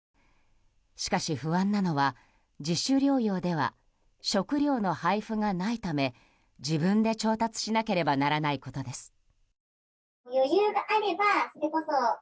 しかし、不安なのは自主療養では食料の配布がないため自分で調達しなくてはならないことです。